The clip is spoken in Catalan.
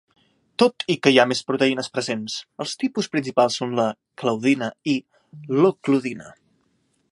Tot i que hi ha més proteïnes presents, els tipus principals són la claudina i l'ocludina.